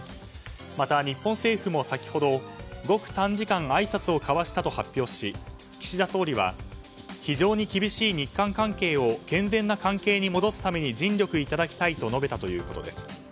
また、日本政府も先ほどごく短時間あいさつを交わしたと発表し、岸田総理は非常に厳しい日韓関係を健全な関係に戻すために尽力いただきたいと述べたということです。